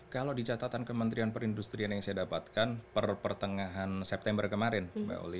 kalau di catatan kementerian perindustrian yang saya dapatkan pertengahan september kemarin mbak oli